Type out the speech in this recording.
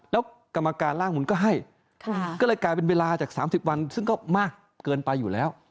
แล้วกรรมการร่างมุนก็ให้ก็เลยกลายเป็นเวลาจาก๓๐วันซึ่งก็มากเกินไปอยู่แล้ว